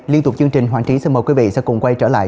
liên tục chương trình hoàng trí xin mời quý vị sẽ cùng quay trở lại